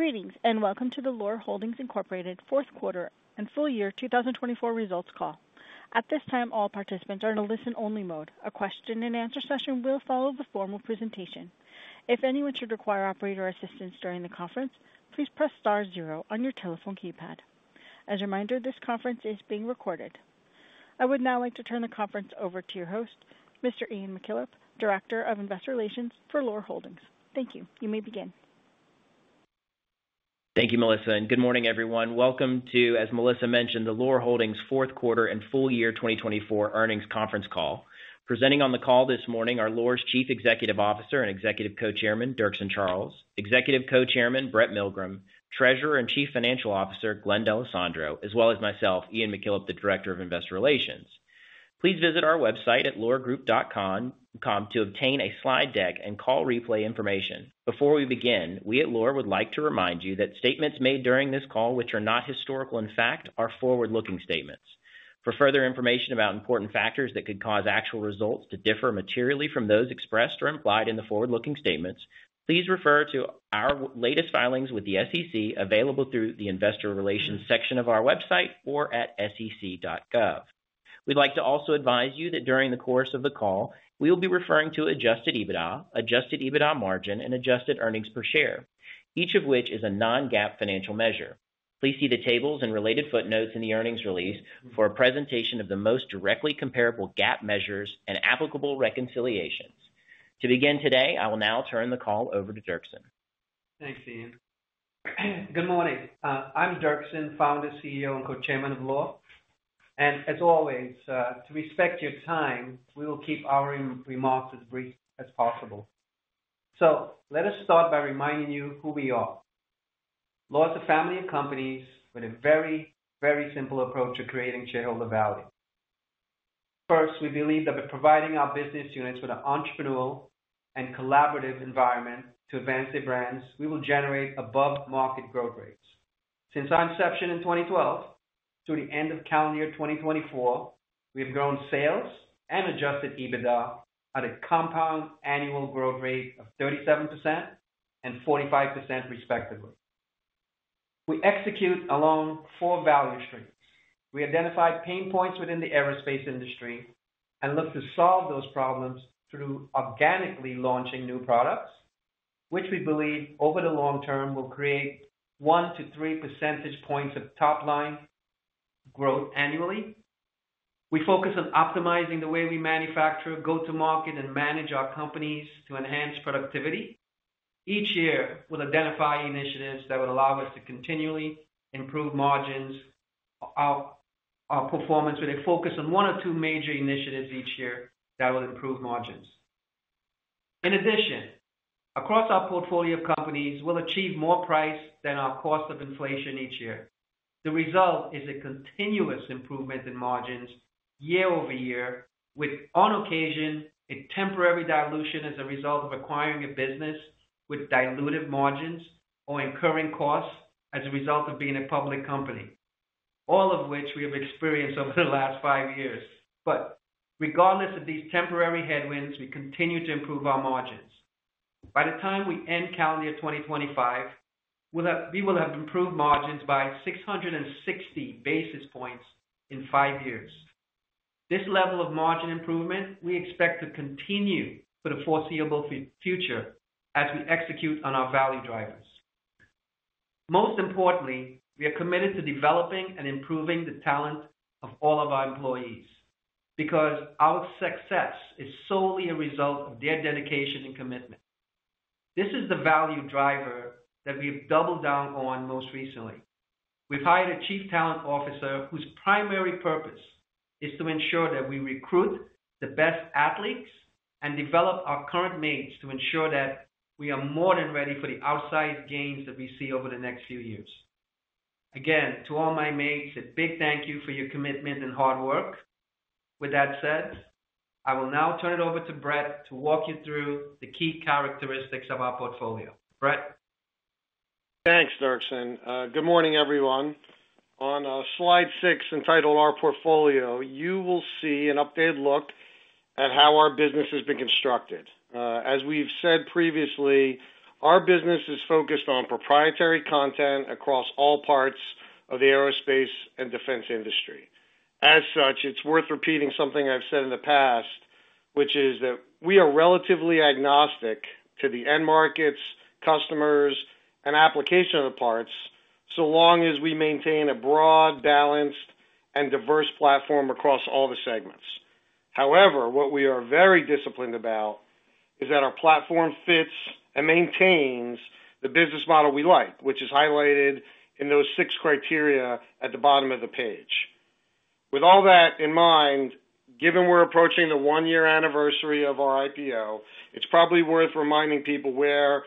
Greetings and welcome to the Loar Holdings Fourth Quarter and Full Year 2024 Results Call. At this time, all participants are in a listen-only mode. A question-and-answer session will follow the formal presentation. If anyone should require operator assistance during the conference, please press star zero on your telephone keypad. As a reminder, this conference is being recorded. I would now like to turn the conference over to your host, Mr. Ian McKillop, Director of Investor Relations for Loar Holdings. Thank you. You may begin. Thank you, Melissa. Good morning, everyone. Welcome to, as Melissa mentioned, the Loar Holdings Fourth Quarter and Full Year 2024 Earnings Conference Call. Presenting on the call this morning are Loar's Chief Executive Officer and Executive Co-Chairman, Dirkson Charles, Executive Co-Chairman, Brett Milgrim, Treasurer and Chief Financial Officer, Glenn D'Alessandro, as well as myself, Ian McKillop, the Director of Investor Relations. Please visit our website at loargroup.com to obtain a slide deck and call replay information. Before we begin, we at Loar would like to remind you that statements made during this call, which are not historical in fact, are forward-looking statements. For further information about important factors that could cause actual results to differ materially from those expressed or implied in the forward-looking statements, please refer to our latest filings with the SEC available through the Investor Relations section of our website or at sec.gov. We'd like to also advise you that during the course of the call, we will be referring to Adjusted EBITDA, Adjusted EBITDA margin, and adjusted earnings per share, each of which is a non-GAAP financial measure. Please see the tables and related footnotes in the earnings release for a presentation of the most directly comparable GAAP measures and applicable reconciliations. To begin today, I will now turn the call over to Dirkson. Thanks, Ian. Good morning. I'm Dirkson, founder, CEO, and Co-Chairman of Loar. As always, to respect your time, we will keep our remarks as brief as possible. Let us start by reminding you who we are. Loar is a family of companies with a very, very simple approach to creating shareholder value. First, we believe that by providing our business units with an entrepreneurial and collaborative environment to advance their brands, we will generate above-market growth rates. Since our inception in 2012, through the end of calendar year 2024, we have grown sales and Adjusted EBITDA at a compound annual growth rate of 37% and 45%, respectively. We execute along four value streams. We identify pain points within the aerospace industry and look to solve those problems through organically launching new products, which we believe over the long term will create one to three percentage points of top-line growth annually. We focus on optimizing the way we manufacture, go to market, and manage our companies to enhance productivity. Each year, we'll identify initiatives that will allow us to continually improve margins, our performance, with a focus on one or two major initiatives each year that will improve margins. In addition, across our portfolio of companies, we'll achieve more price than our cost of inflation each year. The result is a continuous improvement in margins year over year, with on occasion a temporary dilution as a result of acquiring a business with diluted margins or incurring costs as a result of being a public company, all of which we have experienced over the last five years. Regardless of these temporary headwinds, we continue to improve our margins. By the time we end calendar year 2025, we will have improved margins by 660 basis points in five years. This level of margin improvement we expect to continue for the foreseeable future as we execute on our value drivers. Most importantly, we are committed to developing and improving the talent of all of our employees because our success is solely a result of their dedication and commitment. This is the value driver that we have doubled down on most recently. We've hired a Chief Talent Officer whose primary purpose is to ensure that we recruit the best athletes and develop our current mates to ensure that we are more than ready for the outsized gains that we see over the next few years. Again, to all my mates, a big thank you for your commitment and hard work. With that said, I will now turn it over to Brett to walk you through the key characteristics of our portfolio. Brett. Thanks, Dirkson. Good morning, everyone. On Slide 6 entitled Our Portfolio, you will see an updated look at how our business has been constructed. As we've said previously, our business is focused on proprietary content across all parts of the aerospace and defense industry. As such, it's worth repeating something I've said in the past, which is that we are relatively agnostic to the end markets, customers, and application of the parts so long as we maintain a broad, balanced, and diverse platform across all the segments. However, what we are very disciplined about is that our platform fits and maintains the business model we like, which is highlighted in those six criteria at the bottom of the page. With all that in mind, given we're approaching the one-year anniversary of our IPO, it's probably worth reminding people where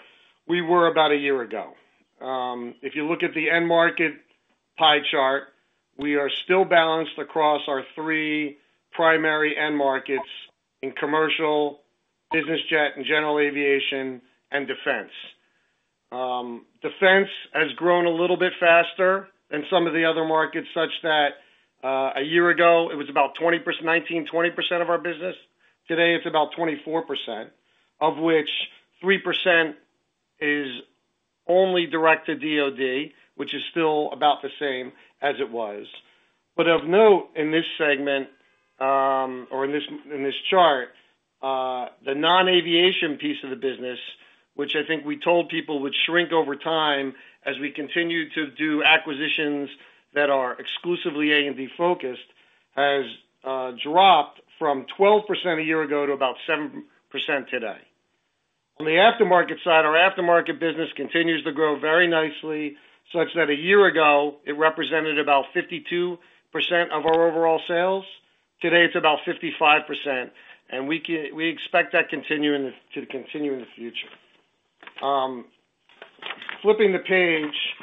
we were about a year ago. If you look at the end market pie chart, we are still balanced across our three primary end markets in commercial, business jet, and general aviation and defense. Defense has grown a little bit faster than some of the other markets, such that a year ago it was about 19-20% of our business. Today, it's about 24%, of which 3% is only direct-to-DOD, which is still about the same as it was. Of note in this segment or in this chart, the non-aviation piece of the business, which I think we told people would shrink over time as we continue to do acquisitions that are exclusively A&D-focused, has dropped from 12% a year ago to about 7% today. On the aftermarket side, our aftermarket business continues to grow very nicely, such that a year ago it represented about 52% of our overall sales. Today, it's about 55%, and we expect that to continue in the future. Flipping the page,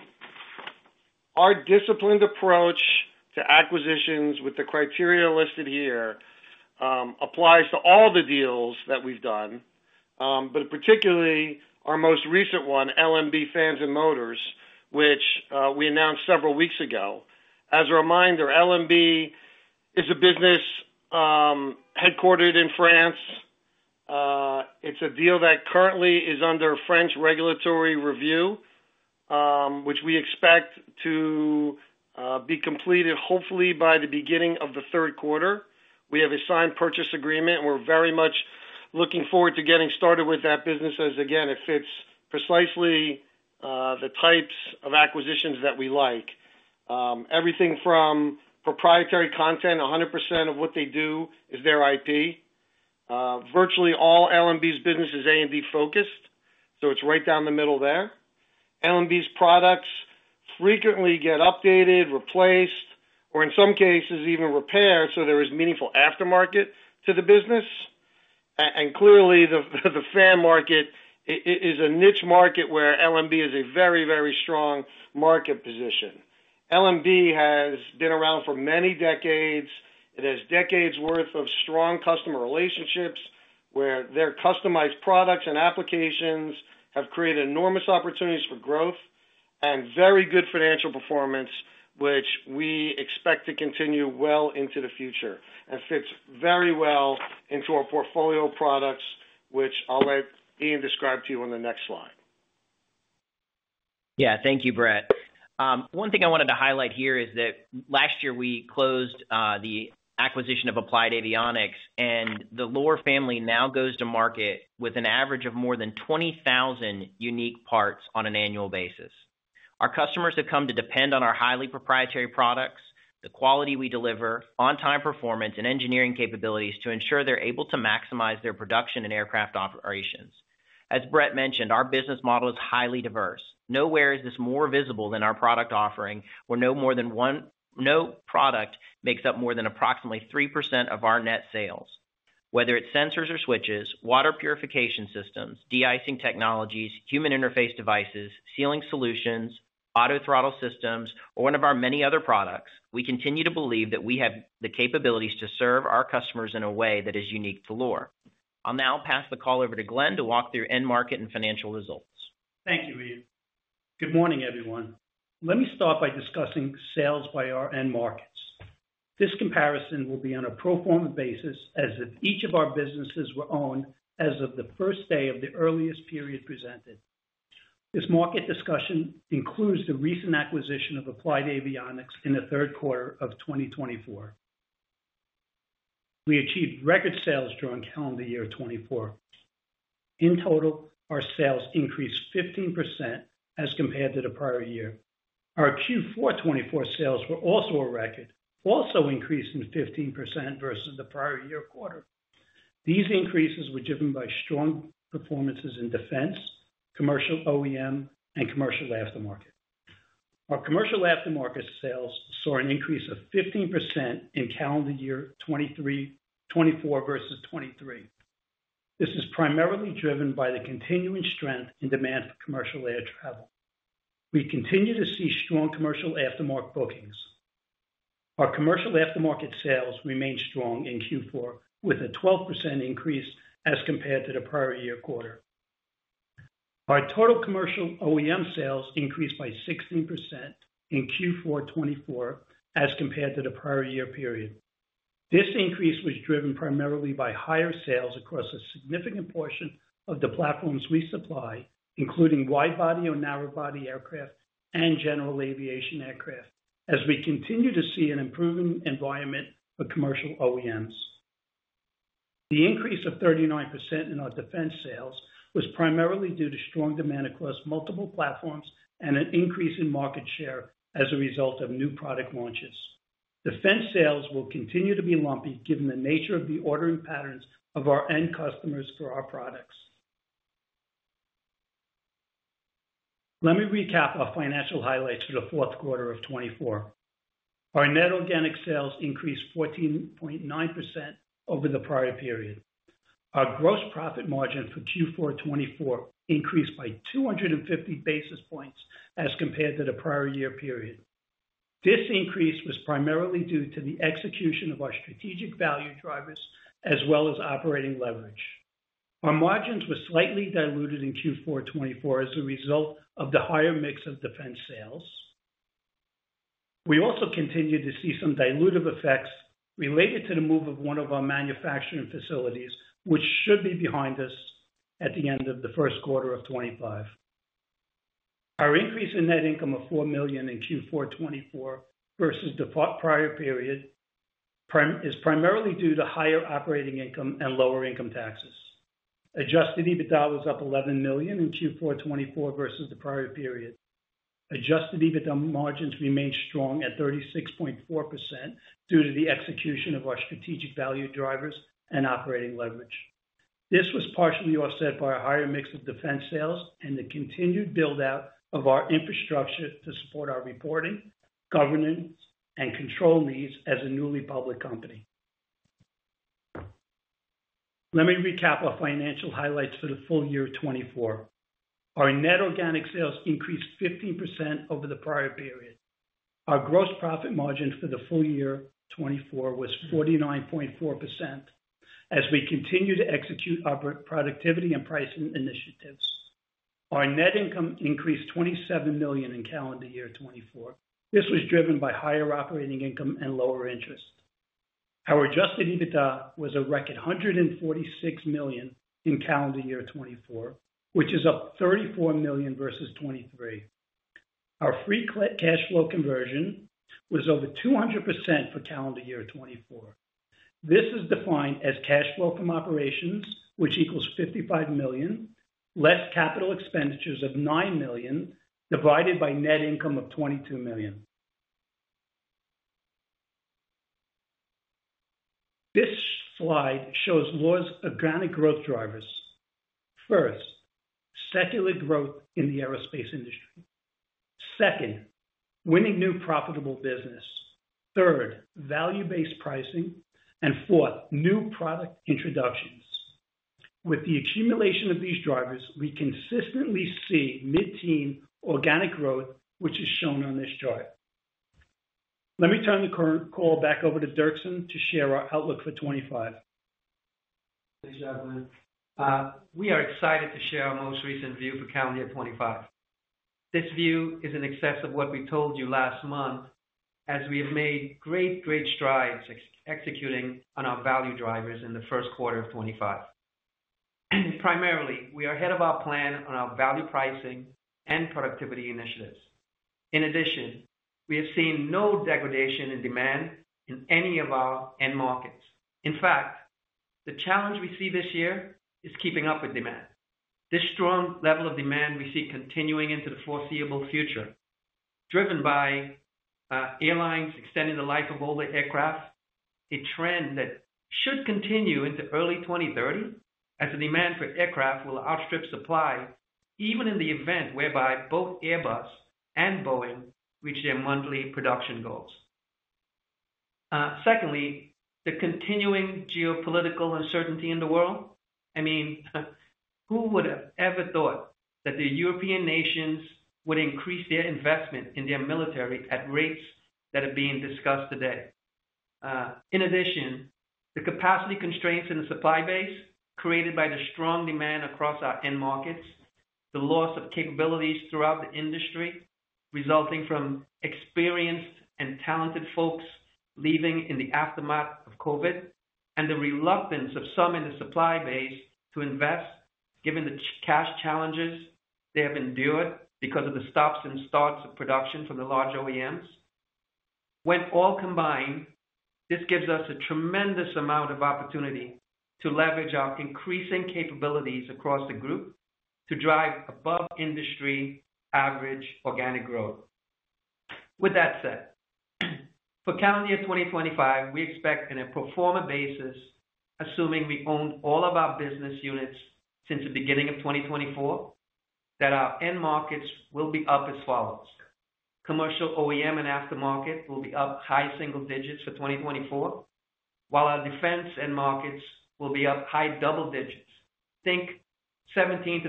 our disciplined approach to acquisitions with the criteria listed here applies to all the deals that we've done, but particularly our most recent one, LMB Fans & Motors, which we announced several weeks ago. As a reminder, LMB is a business headquartered in France. It's a deal that currently is under French regulatory review, which we expect to be completed hopefully by the beginning of the third quarter. We have a signed purchase agreement, and we're very much looking forward to getting started with that business as, again, it fits precisely the types of acquisitions that we like. Everything from proprietary content, 100% of what they do is their IP. Virtually all LMB's business is A&D-focused, so it's right down the middle there. LMB's products frequently get updated, replaced, or in some cases even repaired, so there is meaningful aftermarket to the business. The fan market is a niche market where LMB has a very, very strong market position. LMB has been around for many decades. It has decades' worth of strong customer relationships where their customized products and applications have created enormous opportunities for growth and very good financial performance, which we expect to continue well into the future and fits very well into our portfolio products, which I'll let Ian describe to you on the next slide. Yeah, thank you, Brett. One thing I wanted to highlight here is that last year we closed the acquisition of Applied Avionics, and the Loar family now goes to market with an average of more than 20,000 unique parts on an annual basis. Our customers have come to depend on our highly proprietary products, the quality we deliver, on-time performance, and engineering capabilities to ensure they're able to maximize their production and aircraft operations. As Brett mentioned, our business model is highly diverse. Nowhere is this more visible than our product offering, where no more than one product makes up more than approximately 3% of our net sales. Whether it's sensors or switches, water purification systems, de-icing technologies, human interface devices, sealing solutions, auto throttle systems, or one of our many other products, we continue to believe that we have the capabilities to serve our customers in a way that is unique to Loar. I'll now pass the call over to Glenn to walk through end market and financial results. Thank you, Ian. Good morning, everyone. Let me start by discussing sales by our end markets. This comparison will be on a pro forma basis as if each of our businesses were owned as of the first day of the earliest period presented. This market discussion includes the recent acquisition of Applied Avionics in the third quarter of 2024. We achieved record sales during calendar year 2024. In total, our sales increased 15% as compared to the prior year. Our Q4 2024 sales were also a record, also increased 15% versus the prior year quarter. These increases were driven by strong performances in defense, commercial OEM, and commercial aftermarket. Our commercial aftermarket sales saw an increase of 15% in calendar year 2024 versus 2023. This is primarily driven by the continuing strength in demand for commercial air travel. We continue to see strong commercial aftermarket bookings. Our commercial aftermarket sales remained strong in Q4 with a 12% increase as compared to the prior year quarter. Our total commercial OEM sales increased by 16% in Q4 2024 as compared to the prior year period. This increase was driven primarily by higher sales across a significant portion of the platforms we supply, including wide-body or narrow-body aircraft and general aviation aircraft, as we continue to see an improving environment for commercial OEMs. The increase of 39% in our defense sales was primarily due to strong demand across multiple platforms and an increase in market share as a result of new product launches. Defense sales will continue to be lumpy given the nature of the ordering patterns of our end customers for our products. Let me recap our financial highlights for the fourth quarter of 2024. Our net organic sales increased 14.9% over the prior period. Our gross profit margin for Q4 2024 increased by 250 basis points as compared to the prior year period. This increase was primarily due to the execution of our strategic value drivers as well as operating leverage. Our margins were slightly diluted in Q4 2024 as a result of the higher mix of defense sales. We also continue to see some dilutive effects related to the move of one of our manufacturing facilities, which should be behind us at the end of the first quarter of 2025. Our increase in net income of $4 million in Q4 2024 versus the prior period is primarily due to higher operating income and lower income taxes. Adjusted EBITDA was up $11 million in Q4 2024 versus the prior period. Adjusted EBITDA margins remained strong at 36.4% due to the execution of our strategic value drivers and operating leverage. This was partially offset by a higher mix of defense sales and the continued build-out of our infrastructure to support our reporting, governance, and control needs as a newly public company. Let me recap our financial highlights for the full year 2024. Our net organic sales increased 15% over the prior period. Our gross profit margin for the full year 2024 was 49.4% as we continue to execute our productivity and pricing initiatives. Our net income increased $27 million in calendar year 2024. This was driven by higher operating income and lower interest. Our Adjusted EBITDA was a record $146 million in calendar year 2024, which is up $34 million versus 2023. Our free cash flow conversion was over 200% for calendar year 2024. This is defined as cash flow from operations, which equals $55 million, less capital expenditures of $9 million, divided by net income of $22 million. This slide shows Loar's organic growth drivers. First, secular growth in the aerospace industry. Second, winning new profitable business. Third, value-based pricing. Fourth, new product introductions. With the accumulation of these drivers, we consistently see mid-teen organic growth, which is shown on this chart. Let me turn the call back over to Dirkson to share our outlook for 2025. Thank you, Glenn. We are excited to share our most recent view for calendar year 2025. This view is in excess of what we told you last month, as we have made great, great strides executing on our value drivers in the first quarter of 2025. Primarily, we are ahead of our plan on our value pricing and productivity initiatives. In addition, we have seen no degradation in demand in any of our end markets. In fact, the challenge we see this year is keeping up with demand. This strong level of demand we see continuing into the foreseeable future, driven by airlines extending the life of older aircraft, a trend that should continue into early 2030 as the demand for aircraft will outstrip supply even in the event whereby both Airbus and Boeing reach their monthly production goals. Secondly, the continuing geopolitical uncertainty in the world. I mean, who would have ever thought that the European nations would increase their investment in their military at rates that are being discussed today? In addition, the capacity constraints in the supply base created by the strong demand across our end markets, the loss of capabilities throughout the industry resulting from experienced and talented folks leaving in the aftermath of COVID, and the reluctance of some in the supply base to invest given the cash challenges they have endured because of the stops and starts of production from the large OEMs. When all combined, this gives us a tremendous amount of opportunity to leverage our increasing capabilities across the group to drive above industry average organic growth. With that said, for calendar year 2025, we expect on a pro forma basis, assuming we owned all of our business units since the beginning of 2024, that our end markets will be up as follows. Commercial OEM and aftermarket will be up high single digits for 2024, while our defense end markets will be up high double digits. Think 17%-20%.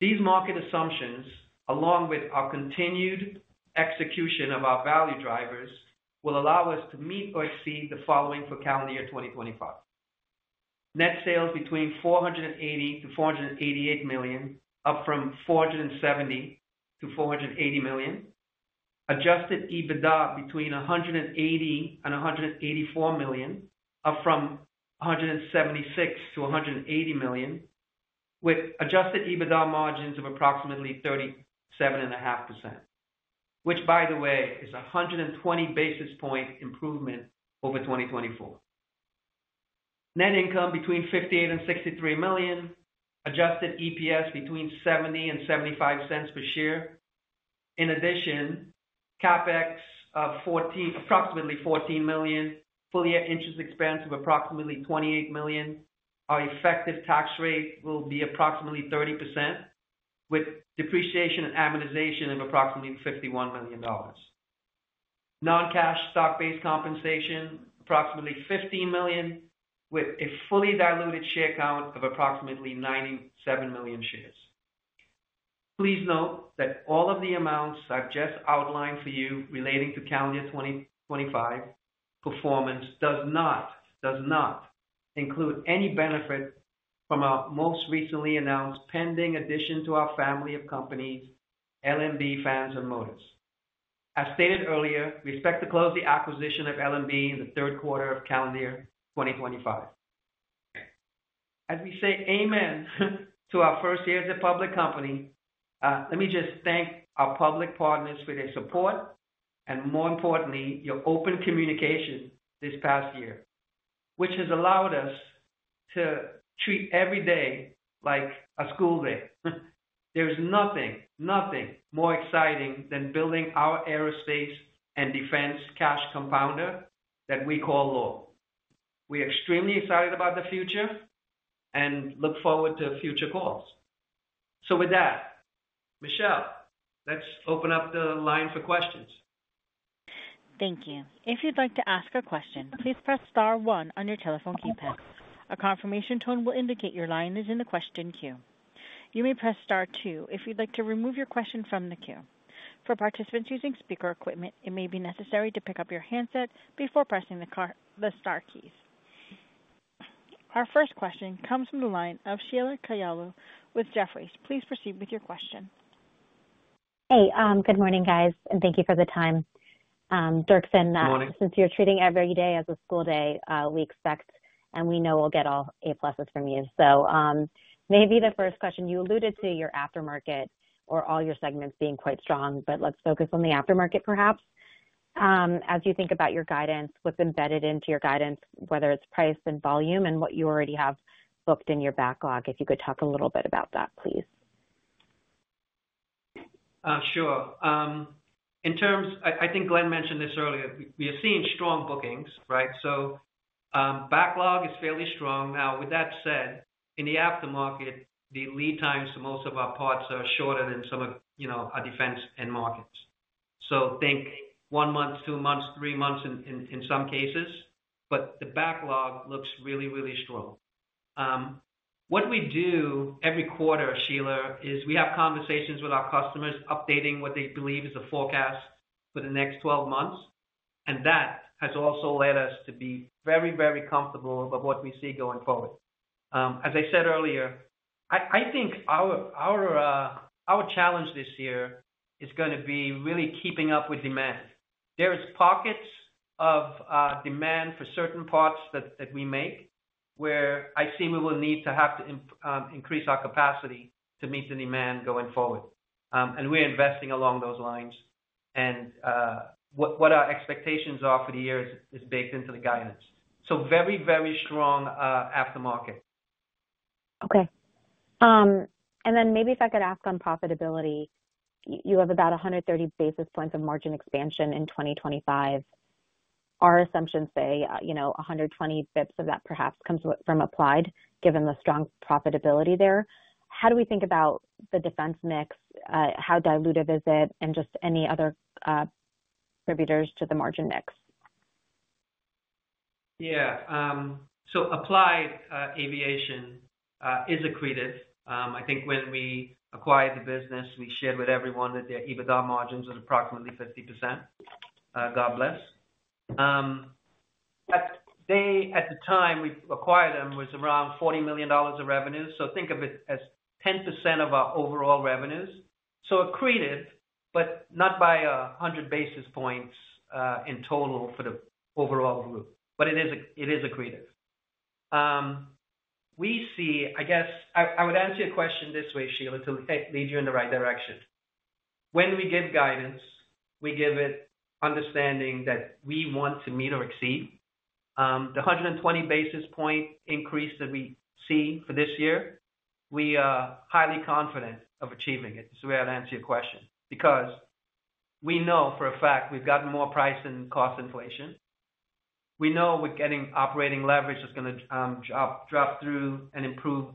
These market assumptions, along with our continued execution of our value drivers, will allow us to meet or exceed the following for calendar year 2025: net sales between $480 million and $488 million, up from $470 million to $480 million; Adjusted EBITDA between $180 million and $184 million, up from $176 million to $180 million, with Adjusted EBITDA margins of approximately 37.5%, which, by the way, is a 120 basis point improvement over 2024; net income between $58 million and $63 million; Adjusted EPS between $0.70 and $0.75 per share. In addition, CapEx of approximately $14 million, full year interest expense of approximately $28 million, our effective tax rate will be approximately 30%, with depreciation and amortization of approximately $51 million. Non-cash stock-based compensation, approximately $15 million, with a fully diluted share count of approximately 97 million shares. Please note that all of the amounts I've just outlined for you relating to calendar year 2025 performance does not include any benefit from our most recently announced pending addition to our family of companies, LMB Fans & Motors. As stated earlier, we expect to close the acquisition of LMB in the third quarter of calendar year 2025. As we say amen to our first year as a public company, let me just thank our public partners for their support and, more importantly, your open communication this past year, which has allowed us to treat every day like a school day. There is nothing, nothing more exciting than building our aerospace and defense cash compounder that we call Loar. We are extremely excited about the future and look forward to future calls. Michelle, let's open up the line for questions. Thank you. If you'd like to ask a question, please press star one on your telephone keypad. A confirmation tone will indicate your line is in the question queue. You may press star two if you'd like to remove your question from the queue. For participants using speaker equipment, it may be necessary to pick up your handset before pressing the star keys. Our first question comes from the line of Sheila Kahyaoglu with Jefferies. Please proceed with your question. Hey, good morning, guys, and thank you for the time. Dirkson, since you're treating every day as a school day, we expect and we know we'll get all A-pluses from you. Maybe the first question, you alluded to your aftermarket or all your segments being quite strong, but let's focus on the aftermarket perhaps. As you think about your guidance, what's embedded into your guidance, whether it's price and volume and what you already have booked in your backlog, if you could talk a little bit about that, please. Sure. I think Glenn mentioned this earlier. We have seen strong bookings, right? Backlog is fairly strong. Now, with that said, in the aftermarket, the lead times for most of our parts are shorter than some of our defense end markets. Think one month, two months, three months in some cases, but the backlog looks really, really strong. What we do every quarter, Sheila, is we have conversations with our customers updating what they believe is the forecast for the next 12 months. That has also led us to be very, very comfortable about what we see going forward. As I said earlier, I think our challenge this year is going to be really keeping up with demand. There are pockets of demand for certain parts that we make where I see we will need to have to increase our capacity to meet the demand going forward. We're investing along those lines. What our expectations are for the year is baked into the guidance. Very, very strong aftermarket. Okay. Maybe if I could ask on profitability, you have about 130 basis points of margin expansion in 2025. Our assumptions say 120 basis points of that perhaps comes from Applied, given the strong profitability there. How do we think about the defense mix? How dilutive is it? Just any other contributors to the margin mix? Yeah. So Applied Avionics is accretive. I think when we acquired the business, we shared with everyone that their EBITDA margins are approximately 50%. God bless. At the time we acquired them, it was around $40 million of revenue. So think of it as 10% of our overall revenues. So accretive, but not by 100 basis points in total for the overall group, but it is accretive. I guess I would answer your question this way, Sheila, to lead you in the right direction. When we give guidance, we give it understanding that we want to meet or exceed. The 120 basis point increase that we see for this year, we are highly confident of achieving it. This is the way I'd answer your question because we know for a fact we've gotten more price and cost inflation. We know we're getting operating leverage that's going to drop through and improve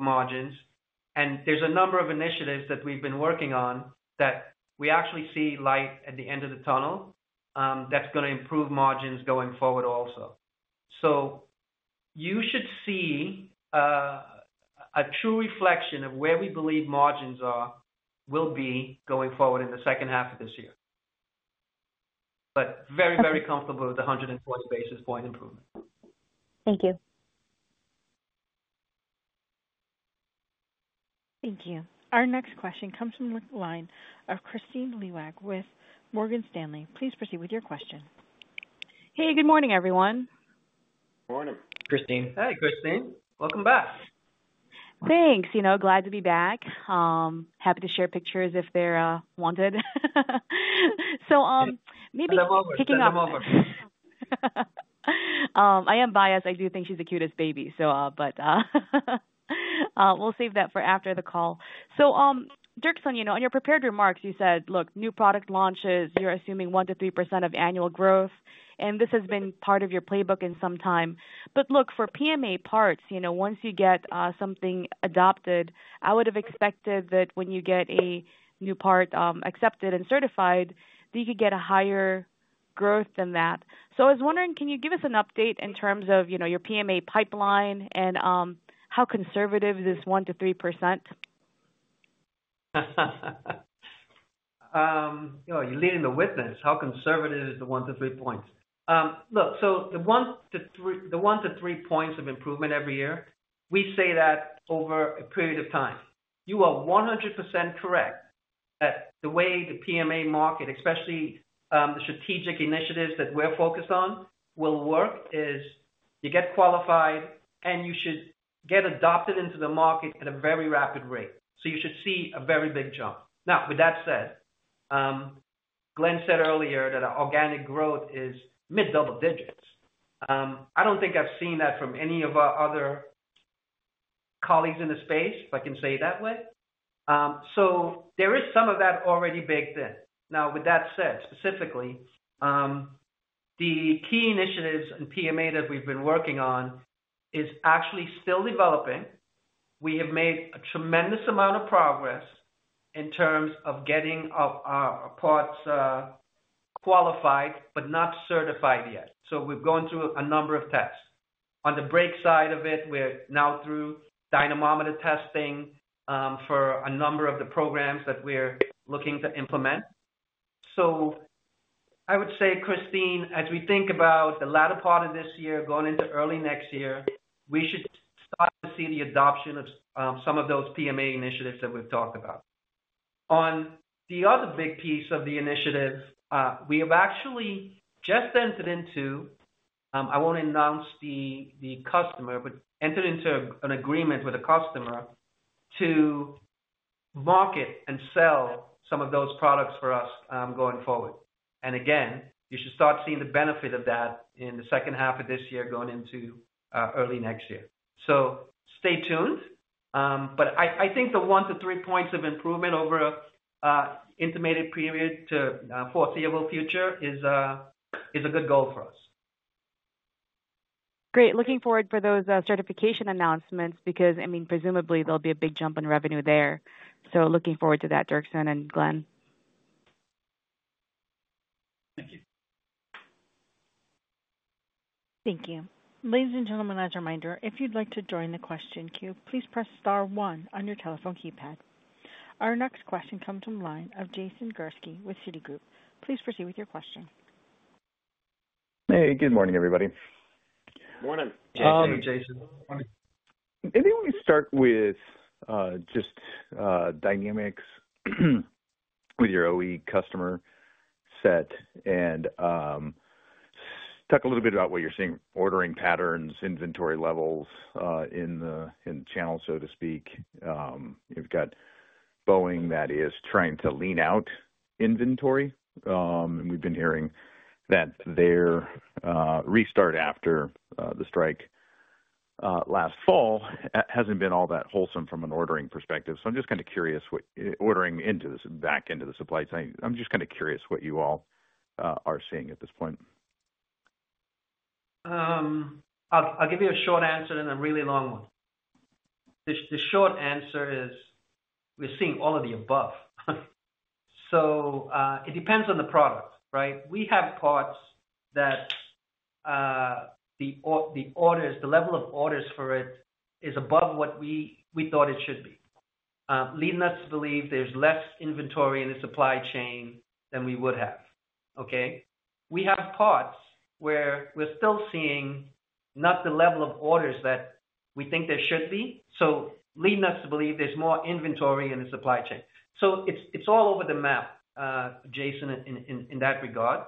margins. There's a number of initiatives that we've been working on that we actually see light at the end of the tunnel that's going to improve margins going forward also. You should see a true reflection of where we believe margins will be going forward in the second half of this year. Very, very comfortable with the 120 basis point improvement. Thank you. Thank you. Our next question comes from the line of Kristine Liwag with Morgan Stanley. Please proceed with your question. Hey, good morning, everyone. Morning Kristine. Hey, Kristine. Welcome back. Thanks. You know, glad to be back. Happy to share pictures if they're wanted. Maybe picking up. I'm over. I am biased. I do think she's the cutest baby, but we'll save that for after the call. Dirkson, on your prepared remarks, you said, "Look, new product launches, you're assuming 1%-3% of annual growth." This has been part of your playbook in some time. For PMA parts, once you get something adopted, I would have expected that when you get a new part accepted and certified, that you could get a higher growth than that. I was wondering, can you give us an update in terms of your PMA pipeline and how conservative is this 1%-3%? You're leading the witness. How conservative is the 1-3 points? Look, the 1-3 points of improvement every year, we say that over a period of time. You are 100% correct that the way the PMA market, especially the strategic initiatives that we're focused on, will work is you get qualified and you should get adopted into the market at a very rapid rate. You should see a very big jump. Now, with that said, Glenn said earlier that our organic growth is mid-double digits. I don't think I've seen that from any of our other colleagues in the space, if I can say it that way. There is some of that already baked in. Now, with that said, specifically, the key initiatives in PMA that we've been working on are actually still developing. We have made a tremendous amount of progress in terms of getting our parts qualified, but not certified yet. We have gone through a number of tests. On the brake side of it, we are now through dynamometer testing for a number of the programs that we are looking to implement. I would say, Kristine, as we think about the latter part of this year, going into early next year, we should start to see the adoption of some of those PMA initiatives that we have talked about. On the other big piece of the initiative, we have actually just entered into—I will not announce the customer, but entered into an agreement with a customer to market and sell some of those products for us going forward. You should start seeing the benefit of that in the second half of this year going into early next year. Stay tuned. I think the 1-3 points of improvement over an intimated period to foreseeable future is a good goal for us. Great. Looking forward for those certification announcements because, I mean, presumably there'll be a big jump in revenue there. Looking forward to that, Dirkson and Glenn. Thank you. Thank you. Ladies and gentlemen, as a reminder, if you'd like to join the question queue, please press star one on your telephone keypad. Our next question comes from the line of Jason Gursky with Citigroup. Please proceed with your question. Hey, good morning, everybody. Morning. Hi, Jason. Morning. Maybe we start with just dynamics with your OE customer set and talk a little bit about what you're seeing: ordering patterns, inventory levels in the channel, so to speak. You've got Boeing that is trying to lean out inventory. We've been hearing that their restart after the strike last fall hasn't been all that wholesome from an ordering perspective. I'm just kind of curious what ordering back into the supply chain. I'm just kind of curious what you all are seeing at this point. I'll give you a short answer and a really long one. The short answer is we're seeing all of the above. It depends on the product, right? We have parts that the level of orders for it is above what we thought it should be. Lead us to believe there's less inventory in the supply chain than we would have. We have parts where we're still seeing not the level of orders that we think there should be. Lead us to believe there's more inventory in the supply chain. It's all over the map, Jason, in that regard.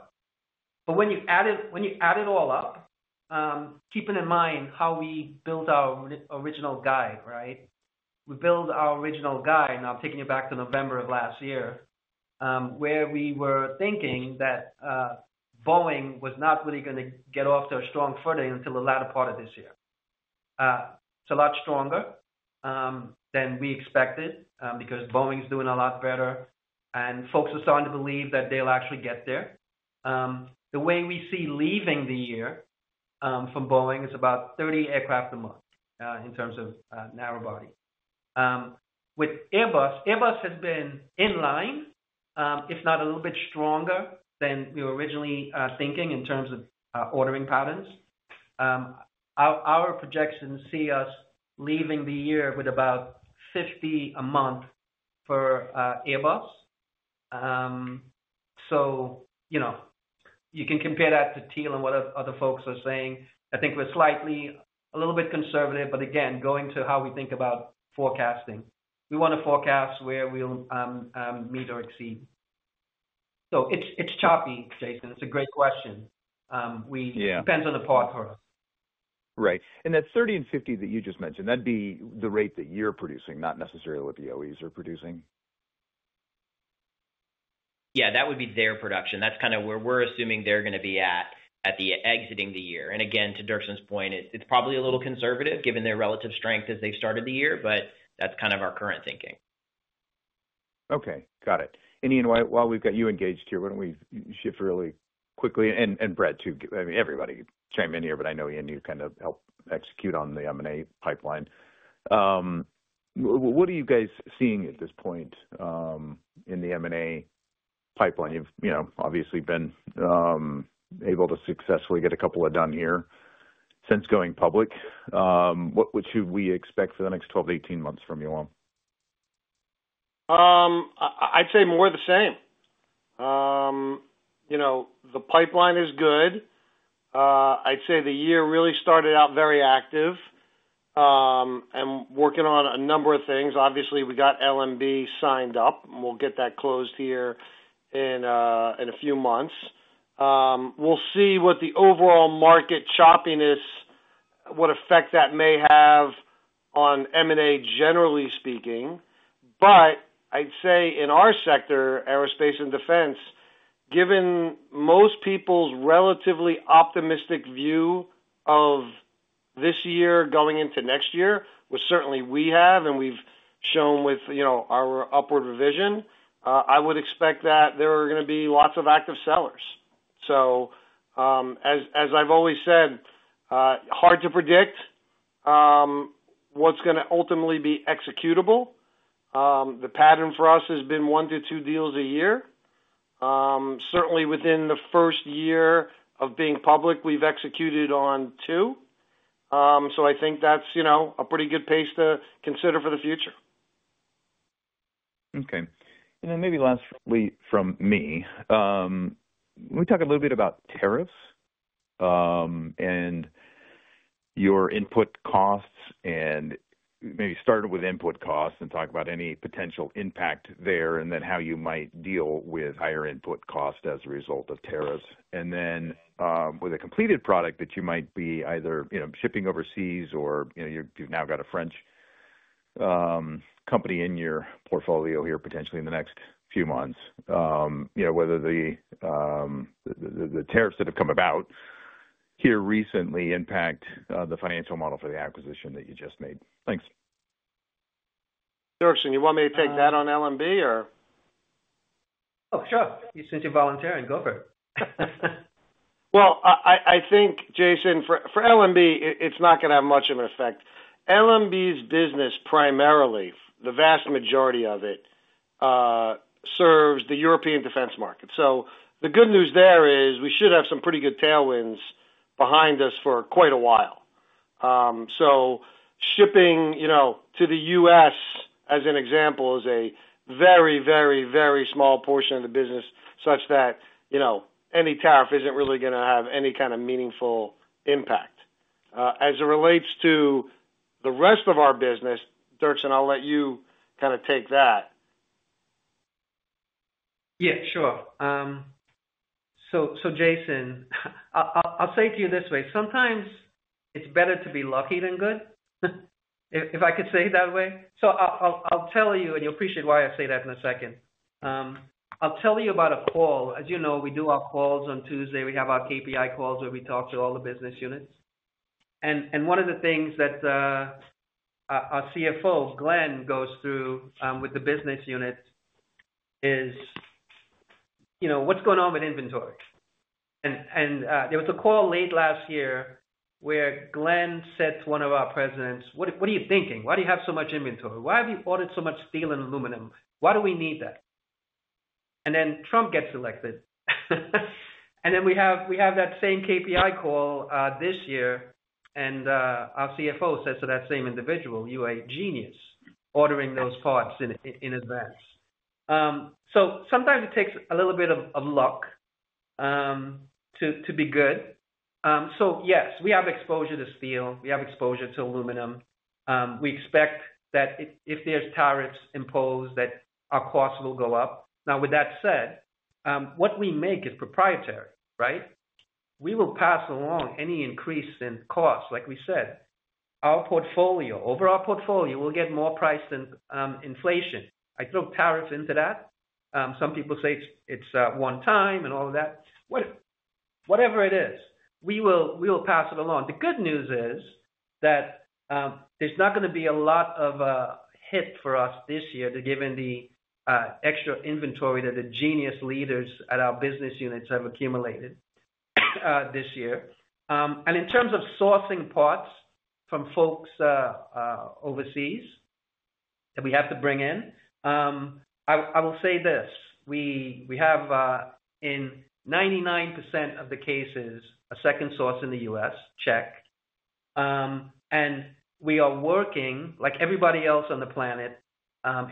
When you add it all up, keeping in mind how we built our original guide, right? We built our original guide, and I'm taking you back to November of last year, where we were thinking that Boeing was not really going to get off to a strong footing until the latter part of this year. It's a lot stronger than we expected because Boeing's doing a lot better, and folks are starting to believe that they'll actually get there. The way we see leaving the year from Boeing is about 30 aircraft a month in terms of narrow body. With Airbus, Airbus has been in line, if not a little bit stronger than we were originally thinking in terms of ordering patterns. Our projections see us leaving the year with about 50 a month for Airbus. You can compare that to Teal and what other folks are saying. I think we're slightly a little bit conservative, but again, going to how we think about forecasting. We want to forecast where we'll meet or exceed. It's choppy, Jason. It's a great question. It depends on the part for us. Right. And that 30 and 50 that you just mentioned, that'd be the rate that you're producing, not necessarily what the OEs are producing? Yeah, that would be their production. That's kind of where we're assuming they're going to be at exiting the year. Again, to Dirkson's point, it's probably a little conservative given their relative strength as they started the year, but that's kind of our current thinking. Okay. Got it. Ian, while we've got you engaged here, why don't we shift really quickly? Brett, too. I mean, everybody chimed in here, but I know Ian, you kind of helped execute on the M&A pipeline. What are you guys seeing at this point in the M&A pipeline? You've obviously been able to successfully get a couple done here since going public. What should we expect for the next 12 to 18 months from you all? I'd say more of the same. The pipeline is good. I'd say the year really started out very active and working on a number of things. Obviously, we got LMB signed up, and we'll get that closed here in a few months. We'll see what the overall market choppiness, what effect that may have on M&A, generally speaking. I'd say in our sector, aerospace and defense, given most people's relatively optimistic view of this year going into next year, which certainly we have and we've shown with our upward revision, I would expect that there are going to be lots of active sellers. As I've always said, hard to predict what's going to ultimately be executable. The pattern for us has been one to two deals a year. Certainly, within the first year of being public, we've executed on two. I think that's a pretty good pace to consider for the future. Okay. Maybe lastly from me, can we talk a little bit about tariffs and your input costs? Maybe start with input costs and talk about any potential impact there and then how you might deal with higher input costs as a result of tariffs. With a completed product that you might be either shipping overseas or you've now got a French company in your portfolio here, potentially in the next few months, whether the tariffs that have come about here recently impact the financial model for the acquisition that you just made. Thanks. Dirkson, you want me to take that on LMB or? Oh, sure. You since you're volunteering, go for it. I think, Jason, for LMB, it's not going to have much of an effect. LMB's business primarily, the vast majority of it, serves the European defense market. The good news there is we should have some pretty good tailwinds behind us for quite a while. Shipping to the U.S., as an example, is a very, very, very small portion of the business such that any tariff isn't really going to have any kind of meaningful impact. As it relates to the rest of our business, Dirkson, I'll let you kind of take that. Yeah, sure. Jason, I'll say it to you this way. Sometimes it's better to be lucky than good, if I could say it that way. I'll tell you, and you'll appreciate why I say that in a second. I'll tell you about a call. As you know, we do our calls on Tuesday. We have our KPI calls where we talk to all the business units. One of the things that our CFO, Glenn D'Alessandro, goes through with the business unit is what's going on with inventory. There was a call late last year where Glenn said to one of our presidents, "What are you thinking? Why do you have so much inventory? Why have you ordered so much steel and aluminum? Why do we need that?" And then Trump gets elected. We have that same KPI call this year, and our CFO says to that same individual, "You're a genius ordering those parts in advance." Sometimes it takes a little bit of luck to be good. Yes, we have exposure to steel. We have exposure to aluminum. We expect that if there are tariffs imposed, our costs will go up. With that said, what we make is proprietary, right? We will pass along any increase in costs, like we said. Our portfolio, overall portfolio, will get more priced than inflation. I throw tariffs into that. Some people say it's one time and all of that. Whatever it is, we will pass it along. The good news is that there's not going to be a lot of hit for us this year given the extra inventory that the genius leaders at our business units have accumulated this year. In terms of sourcing parts from folks overseas that we have to bring in, I will say this: we have in 99% of the cases a second source in the U.S., Czech. We are working like everybody else on the planet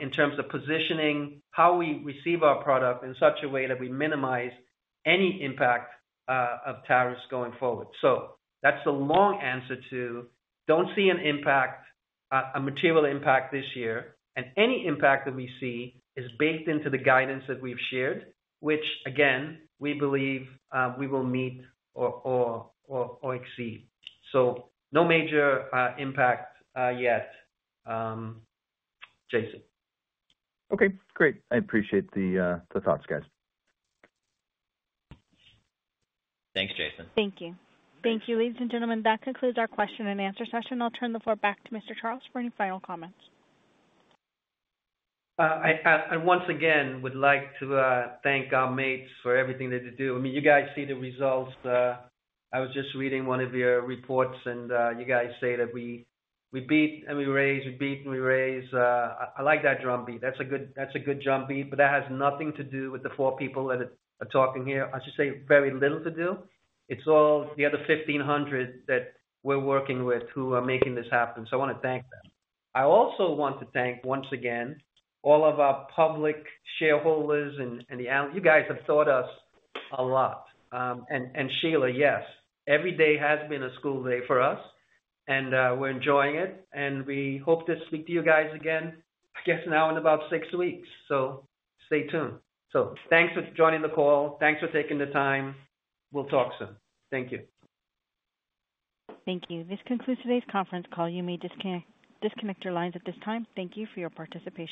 in terms of positioning how we receive our product in such a way that we minimize any impact of tariffs going forward. That's the long answer to don't see an impact, a material impact this year. Any impact that we see is baked into the guidance that we've shared, which, again, we believe we will meet or exceed. No major impact yet, Jason. Okay. Great. I appreciate the thoughts, guys. Thanks, Jason. Thank you. Thank you. Ladies and gentlemen, that concludes our question and answer session. I'll turn the floor back to Mr. Charles for any final comments. I once again would like to thank our mates for everything they did to do. I mean, you guys see the results. I was just reading one of your reports, and you guys say that we beat and we raise, we beat and we raise. I like that drumbeat. That's a good drumbeat, but that has nothing to do with the four people that are talking here. I should say very little to do. It's all the other 1,500 that we're working with who are making this happen. I want to thank them. I also want to thank once again all of our public shareholders and the you guys have taught us a lot. Sheila, yes, every day has been a school day for us, and we're enjoying it. We hope to speak to you guys again, I guess, now in about six weeks. Stay tuned. Thanks for joining the call. Thanks for taking the time. We'll talk soon. Thank you. Thank you. This concludes today's conference call. You may disconnect your lines at this time. Thank you for your participation.